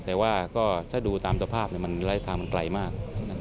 แต่ว่าก็ถ้าดูตามสภาพมันไกลมาก